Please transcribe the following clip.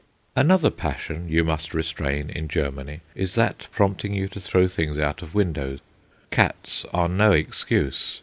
Another passion you must restrain in Germany is that prompting you to throw things out of window. Cats are no excuse.